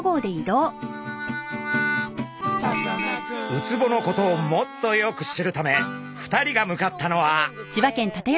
ウツボのことをもっとよく知るため２人が向かったのは。